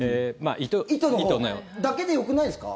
糸の。だけでよくないですか？